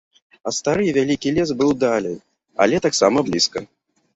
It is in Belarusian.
А стары і вялікі лес быў далей, але таксама блізка.